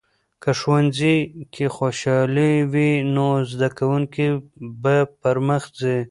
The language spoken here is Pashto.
که ښوونځي کې خوشالي وي، نو زده کوونکي به پرمخ ځي.